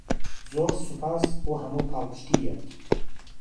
زۆر سوپاس بۆ هەموو پاڵپشتییەک.